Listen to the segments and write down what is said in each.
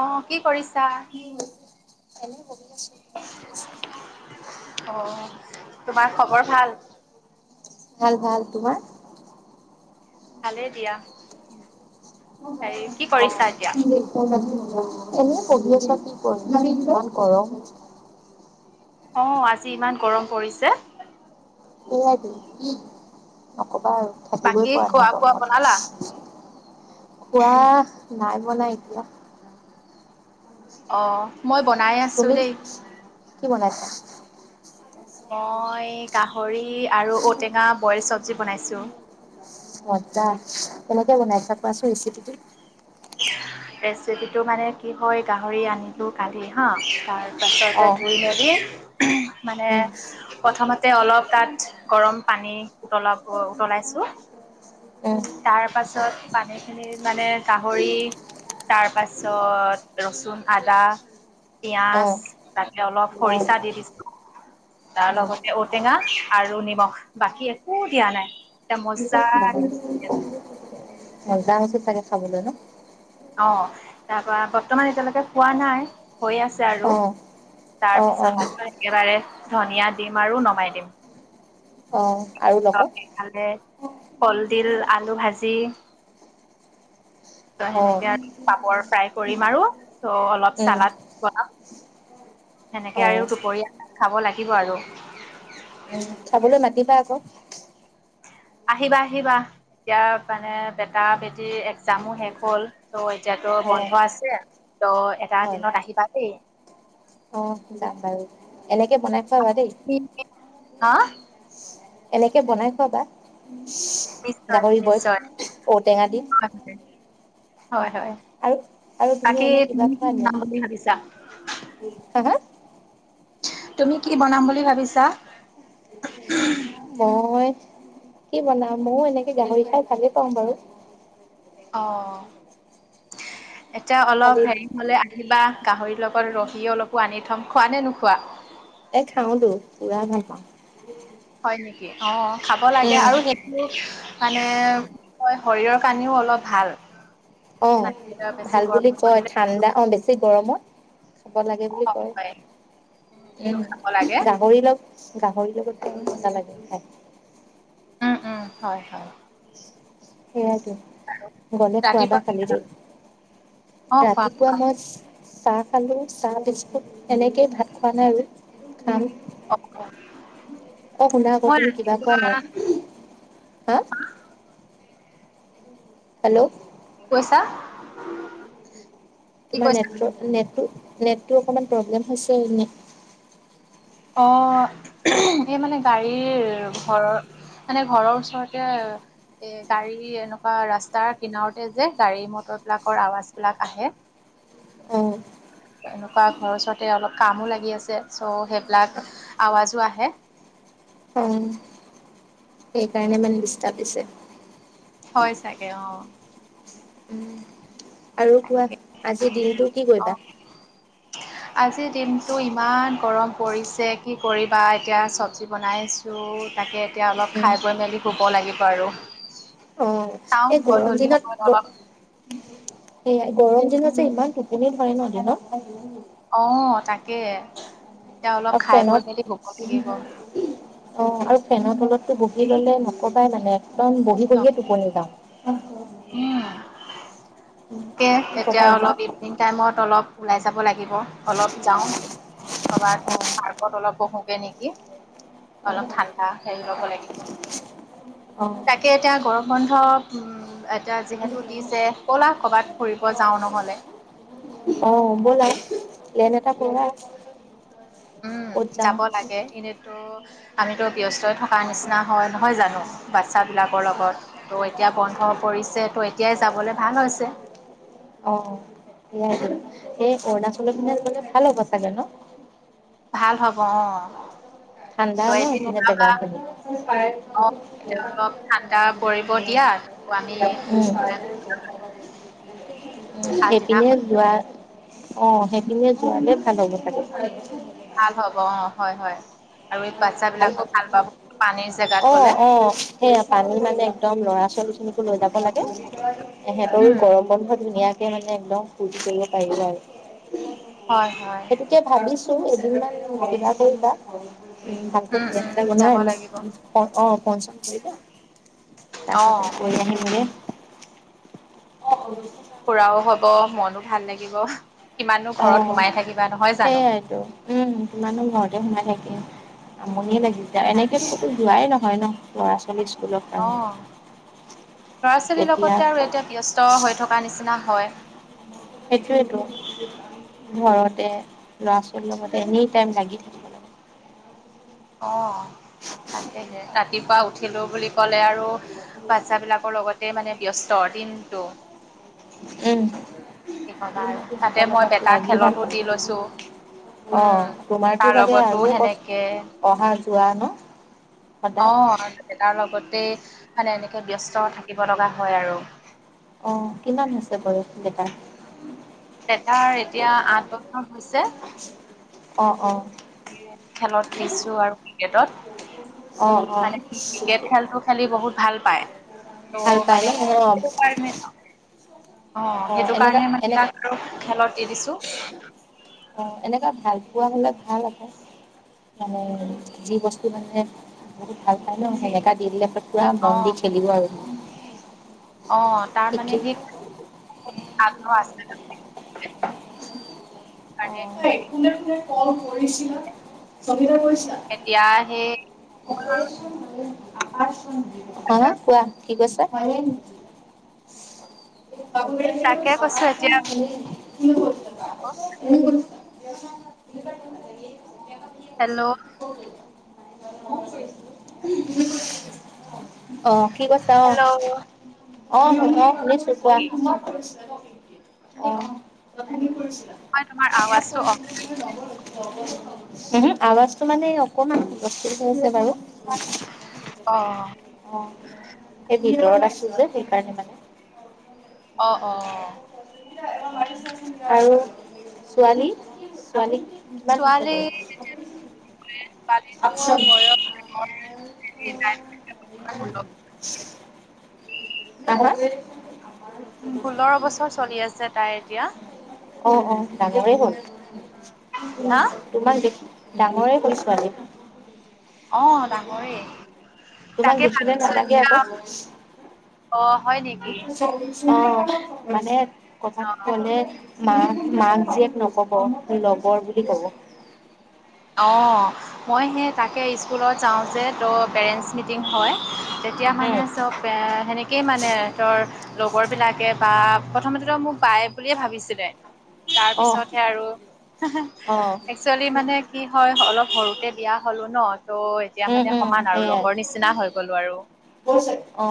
অ', কি কৰিছা? এনেই বহি আছো। অ'। তোমাৰ খবৰ ভাল? ভাল ভাল, তোমাৰ? ভালেই দিয়া। হেৰি কি [unintelligible] অ কৰিছা [unintelligible] এতিয়া এনে বহি আছো কি কৰিম ইমান গৰম অঁ, আজি ইমান গৰম পৰিছে। এই [unintelligible] নকবা আৰু থাকিবই বাকী পৰা নাই খোৱা বোৱা গৰমত। বনালা খোৱা নাই বনা এতিয়া। অঁ। তুমি কি বনাইছা? মই গাহৰি আৰু ঔটেঙা বইল চব্জি বনাইছোঁ। মজ্জা, কেনেকে বনাইছা কোৱা চোন ৰেচিপিটো? ৰেচিপিটো মানে কি হয়, গাহৰি আনিলোঁ কালি হা', তাৰ অ তাৰপাছতে ধুই মেলি মানে উম প্ৰথমতে অলপ তাত গৰম পানী উতলাব উতলাইছো। উম তাৰ পাছত পানী খিনি মানে গাহৰি তাৰ পাছত ৰচুন আদা অ অ পিঁয়াজ বাকী অলপ উম খৰিচা দি দিছো। তাৰ লগতে ঔটেঙা আৰু নিমখ বাকী একো দিয়া নাই। এ মজাকে উ [unintelligible] মজা হৈছে চাগে খাবলৈ ন? অ', তাৰপৰা বৰ্তমান এতিয়ালৈকে খোৱা নাই হৈ আছে অ আৰু। তাৰ অ অ পিছত আকৌ একেবাৰে ধনিয়া দিম আৰু নমাই দিম। অ' আৰু লগত? ইফালে কলদিল আলু ভাজি ত অ সেনেকে। আৰু ফ্ৰাই কৰিম আৰু চ' অলপ উম চালাড বনাম সেনেকে অ আৰু দুপৰীয়া সাজ খাব লাগিব আৰু। উম, খাবলৈ মাতিবা আকৌ? আহিবা আহিবা। এতিয়া মানে বেটা বেটিৰ একজামো শেষ হ'ল, ত' এতিয়াতো অ'। বন্ধ আছে। ত এটা হয়, দিনত আহিবা দেই। অ' যাম বাৰু। এনেকে বনাই খোৱাবা দেই। হাঁ? এনেকে বনাই খোৱাবা। নিশ্চয় গাহৰি বইল, নিশ্চয়। ঔটেঙা দি হয় হয়। আৰু আৰু তুমি বাকী এনে তুমি কি বনাম বুলি ভাবিছা? হাঁ হাঁ। তুমি কি বনাম বুলি ভাবিছা? মই কি বনাওঁ? মও এনেকে গাহৰি খাই ভালে পাওঁ বাৰু। অঁ এতিয়া অলপ খালি হেৰি- মোলে আহিবা গাহৰিৰ লগত ৰহি অলপো আনি থম খোৱা নে নোখোৱা? এই খাওঁ টো পুৰা ভাল পাওঁ। হয় নেকি? অঁ খাব লাগে উম, আৰু সেইট- আৰু মানে কয় শৰীৰৰ কাৰণেও অলপ ভাল। অঁ তাত বেছি ভাল গৰম বুলি কয় পৰিলে ঠাণ্ডা অঁ বেছি গৰমত। খাব লাগে বুলি সেইটো কম কয় হয় সেইটো উম খাব লাগে। গাহৰি লগ- গাহৰি লগতে মজা লাগে খাই। উম উম, হয় হয়। সেইয়াইতো, গলে খোৱাবা ৰাতিপুৱা কি কালি খালা? দেই। অ', খুৱাম ৰাতিপুৱা খুৱাম মই- চাহ খালো, চাহ বিস্কুট এনেকেই ভাত খোৱা নাই আৰু খাম। অ অ। অ শুনা আক মই তুমি কিবা কোৱা নাই? ৰাতিপুৱা হাঁ? হেল্লৌ' কি কৈছা? কি তোমাৰ কৈছা? নেটট নেটটো নেটটো অকমান প্ৰব্লেম হৈছে নি? অঁ' এই মানে গাড়ীৰ ঘৰৰ- মানে ঘৰৰ ওচৰতে- এই গাড়ীৰ এনেকুৱা ৰাস্তাৰ কিনাৰতে যে গাড়ী মটৰ বিলাকৰ আৱাজ বিলাক আহে। অঁ। এনেকুৱা ঘৰ ওচৰতে অলপ কামো লাগি আছে। চ' সেই- বিলাক আৱাজো আহে। অঁ। সেইকাৰণে মানে দিস্তাব দিছে। হয় চাগে অঁ'। উম' আৰু কোৱা আজিৰ দিনটো কি কৰিবা? [unintelligible] আজিৰ দিনটো ইমান গৰম পৰিছে কি কৰিবা এতিয়া চব্জি বনাই আছ- ছো তাকে এতিয়া অলপ খাই বৈ মেলি শুব লাগিব আৰু। অঁ চাওঁ এই গৰম গধূলি দিনত সময়ত গ- অলপ এয়াই গৰম দিনত যে ইমান টোপনি ধৰে ন দিনত। অঁ' তাকে এতিয়া অলপ আৰু খাই বৈ ফেনত মেলি শুব লাগিব। অঁ' আৰু ফেনৰ তলতো বহি ল'লে নকবাই মানে একদম বহ- বহি ন বহিয়ে টোপনি যাওঁ। উম' তাকে কি ক'বা এতিয়া অলপ ইমান এই- ইভিনিং টাইমত অলপ ওলাই যাব লাগিব অলপ যাওঁ। কৰ'বাত পাৰ্কৰ অলপ বহো গে নেকি। অলপ অ', ঠাণ্ডা হেৰি ল'ব লাগিব। অ', তাকে, এতিয়া গৰম বন্ধ উম'- এতিয়া যিহেতু দিছে ব'লা ক'ৰবাত ফুৰিব যাওঁ নহ'লে। অ', ব'লা, প্লেন এটা কৰা। উমঁ, ক'ত যাওঁ যাব লাগে, এনেই- টো আমিতো ব্যস্তই থকাৰ নিচিনা হয় নহয় জানোঁ বাচ্ছাবিলাকৰ লগত। ত' এতিয়া বন্ধ পৰিছে তোৰ এতিয়াই যাবলৈ ভাল হৈছে। অ', সেইয়াই। সেই অৰুণাচলৰ পিনে গ'লে ভাল হ'ব চাগে ন? ভাল হ'ব অঁ',। ঠাণ্ডা ন' সেইপিনে জেগাখিনি। উমঁ, অ', এতিয়া অলপ ঠাণ্ডা পৰিব দিয়া আকৌ আমি উম' আগদিনাখন এইপিনে- যোৱা, অঁ', সেইপিনিয়ে যোৱা হ'লে ভাল হ'ব চাগে। ভাল হ'ব অঁ', হয়-হয়। বিলাকো ভাল পাব। পানী জেগা। অঁ', -অঁ', -সেইয়া, পানী মানে একদম ল'ৰা-ছোৱালীখিনিকো লৈ যাব লাগে। সিহঁতৰো উম, গৰম বন্ধত ধুনীয়াকে মানে একদম ফূৰ্তি কৰিব পাৰিব আৰু। হয়-হয়। তাকে ভাবিছোঁ এদিন মান যোগাৰ কৰিবা। ভালকে উম, প্লেন উম, এটা যাব বনাই লাগিব মোক অঁ', ফোন-চোন কৰিবা। তাৰপিছত অ'। গৈ আহিম গৈ। অ'। ফুৰাও হ'ব, মনো ভাল লাগিব। কিমাননো অ ঘৰত সোমাই থাকিবা। নহয় জানো সেইয়াইতো, উম' কিমানো ঘৰতে সোমাই থাকিম। আমনিয়ে লাগি যায়, এনেকে তাকে ক'তো অ যোৱাই নহয় ন' ল'ৰা-ছোৱালী- স্কুল অঁ', ল'ৰা-ছোৱালীৰ তেতিয়া লগতে আৰু এতিয়া ব্যস্ত হৈ থকা নিচিনা হয়। সেইটোয়েতো, ঘৰতে ল'ৰা-ছোৱালীৰ লগতে এনি টাইম লাগি থকা। অঁ', তাকেহে, ৰাতিপুৱা উঠিলো বুলি ক'লে আৰু- বাচ্ছাবিলাকৰ লগতে মানে ব্যস্ত দিনটো। উমঁ, কি ক'বা আৰু তাতে সিহঁতৰ মই লগত বেটাক লাগি খেলতো থাক দি আও। লৈছো অ', উম তোমাৰতো তাৰ চাগে লগতো আৰু'হে সেনেকে কষ্ট অহা-যোৱা ন'? সদায় অঁ', ল'ৰা-ছোৱালী লগতে মানে এনেকে ব্যস্ত থাকিব লগা হয় আৰু। অঁ', কিমান হৈছে বয়ষ ল'ৰা-ছোৱালী কেইটা? বেটাৰ এতিয়া আঠ বছৰ হৈছে। অঁ', -অঁ',। খেলত দিছো আৰু ক্ৰিকেটত। অ', অ', মানে ক্ৰিকেট খেলটো- খেলি বহুত ভাল পায়। ভাল ত' পাই ন? মানে অ', সেইটো কাৰণে- অঁ', অ', সেইটো এনেকা কাৰণে মানে এনেকা তাক আৰু খেলত দি দিছো। অঁ', এনেকুৱা ভাল পোৱা হ'লে ভাল আছে। মানে যি বস্তু মানে বহুত ভাল পায় ন' সেই এটা দি দিলে পু- ৰা অ মন দি খেলিব আৰু। অ তাৰ ঠিক মানে ঠিক সেই আগ্ৰহ আছিল কাৰণে এ কোনে কোনে কল কৰিছিলা সংগীতা কৈছিলা ই আহে [unintelligible] হা কোৱা কি কৈছে [unintelligible] [inaudible] তাকে কৈছো এতিয়া [unintelligible] [unintelligible] হেল্ল' অ কি কৈছা অ হেল্ল' অ অ শুনিছো কোৱা অ কথা কি কৰিছিলা হয় তোমাৰ আৱাজটো অ উমহো আৱাজটো মানে অকমান হূলস্থুল হৈ আছে বাৰু অ সেই ভিতৰত আছিল যে সেইকাৰণে মানে অ অ আৰু ছোৱালী ছোৱালী ছোৱালী [unintelligible] বয়স [unintelligible] আহা ষোল্ল বছৰ চলি আছে তাইৰ এতিয়া অ অ ডাঙৰে হল হা তোমাক দে ডাঙৰে হ'ল ছোৱালী অ ডাঙৰে তোমাক দেখিলে নালাগে আকৌ অ অ' হয় নেকি? মানে কথা অ' মানে মা মাক জীয়েক নকব লগৰ বুলি কব অ মই সেই তাকে স্কুলত যাওঁ যে ত' পেৰেণ্টছ মিটিং হয় তেতিয়া মানে উম চব সেনেকেই মানে হেতৰ লগৰ বিলাকে বা প্ৰথমতেতো মোক বাই বুলিয়ে ভাবিছিলে তাৰ অ পিছতহে আৰু অ একচুৱেলি মানে কি হয় অলপ সৰুতে বিয়া হলো ন ত' এতিয়া উম মানে উম সমান আৰু লগৰ নিচ নিচিনা হৈ গলো আৰু অ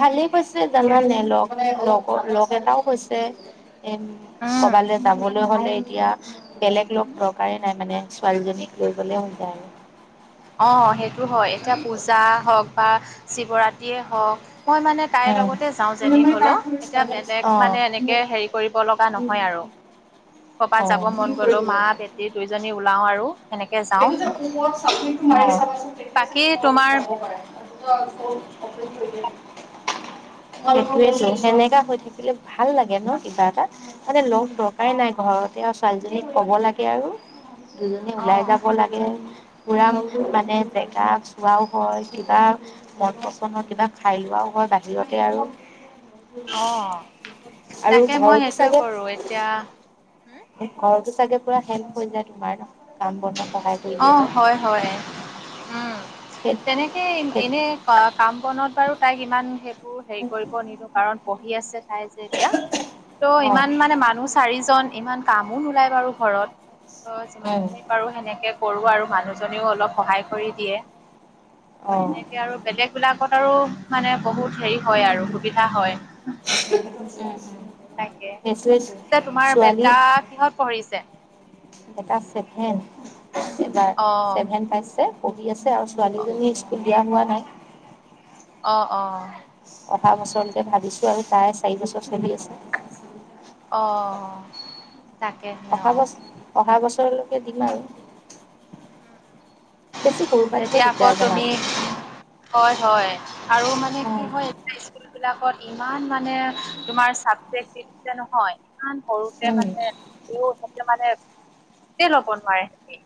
ভালেই হৈছে জানানে লগ লগৰ লগ এটাও হৈছে এ উম কবালে যাবলৈ হ'লে এতিয়া বেলেগ লগ দৰকাৰে নাই মানে ছোৱালীজনীক লৈ গ'লে হৈ যায় আৰু অ সেইটো হয় এতিয়া পূজা হওক বা শিৱৰাত্ৰিয়ে হওক মই মানে তাইৰ লগতে যাওঁ যেনি কোনোবাই হ'লেও কাম কৰিছে এতিয়া নেক্স বেলেগ মানে মোক এনেকে হেৰি কৰিব লগা নহয় আৰু অ কৰবাত যাব তুমি মন কৰি গলেও দিবা মা এতিয়া বেটি দুইজনী ওলাও আৰু সেনেকে যাও অ বাকী তোমাৰ কৰে [unintelligible] সেইটোৱে টো সেনেকা হৈ থাকিলে ভাল লাগে ন কিবা এটা মানে লগ দৰকাৰেই নাই ঘৰতে আছ ছোৱালীজনীক ক'ব লাগে আৰু দুজনী ওলাই অ', যাব লাগে পুৰা মানে বেকাগ চোৱাও হয় কিবা মন পচন্দৰ কিবা খাই লোৱাও হয় বাহিৰতে আৰু অ', আৰু তাকে মই ঘৰতো সেইটোৱে কৰো এতিয়া এ ঘৰতো চাগে পুৰা হেল্প হৈ যায় তোমাৰ কাম বনত। অ', হয় হয়, সেই তেনেকে সেই এনেই অ', কাম বনত বাৰু তাইক ইমান সেইবোৰ হেৰি কৰিব নিদিওঁ কাৰণ পঢ়ি আছে তাই তেতিয়া, ত' অ ইমান মানে মানুহ চাৰিজন ইমান কামো নোলাই বাৰু ঘৰত। ত উম যিমানখিনি পাৰো সেনেকে কৰো আৰু মানুহজনেও অলপ সহায় কৰি দিয়ে। অ অ', উম এনেকে আৰু বেলেগ বিলাকত আৰু মানে বহুত হেৰি হয় আৰু সুবিধা হয়। সেইটোৱেতো তাকে, পিছে তোমাৰ বেটা কিহত পঢ়িছে? বেটা ছেভেন, এইবাৰ অ', ছেভেন পাইছে পঢ়ি আছে আৰু। অ', ছোৱালীজনী স্কুল দিয়া হোৱা নাই। অ', অ'। অহা বছৰলৈকে ভাবিছো আৰু তাইৰ চাৰি বছৰ চলি আছে। অ'। তাকেহে অহা অ'। বছৰ, অহা বছৰলৈকে দিম আৰু। বেছি সৰুৰ পৰা দিব তেতিয়া আকৌ দিগদাৰ জানা। তুমি হয় হয় আৰু মানে কি উম হয় [unintelligible] [unintelligible] বিলাকত ইমান মানে তোমাৰ চাবজেক্ট [unintelligible] নহয়। ইমান সৰুতে উম মানে [unintelligible] মানে [unintelligible] লব নোৱাৰে সেহতি।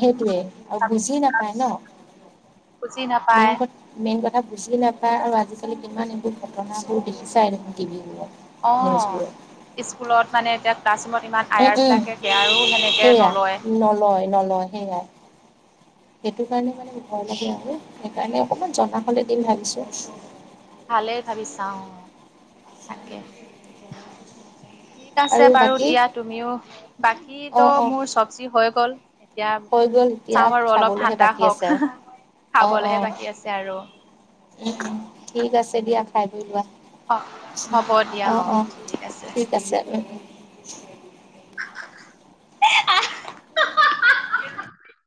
সেইটোৱে আৰু বুজি নাপায় ন, বুজি নাপায় মেইন কথা মেইন কথা বুজি নাপায় আৰু আজিকালি কিমান এইবোৰ ঘটনাবোৰ দেখিছাই দেখোন টিভি বোৰত। অ', স্কুলত মানে এতিয়া ক্লাছৰুমত ইমান উম উম আয়াৰবিলাকে কেয়াৰো সেনেকৈ সেয়া নলয়। নলয়। নলয় সেয়াই। সেইটো কাৰণে মানে ভয় লাগে আৰু সেইকাৰণে অকণমান জনা হলে দিম ভাবিছো। ভালেই ভাবিছা অ', তাকে। ঠিক আছে আৰু বাৰু বাকী দিয়া, তুমিও অ বাকীতো অ মোৰ চবজি হৈ গ'ল। এতিয়া হৈ গ'ল এতিয়া চাওঁ আৰু অলপ খাবলৈহে ঠাণ্ডা বাকী হওক, আছে আৰু অ অ খাবলেহে বাকী আছে আৰু। উম, উম, ঠিক আছে দিয়া খাই বৈ লোৱা। অ অ', অ', ঠিক আছে উম। [unintelligible]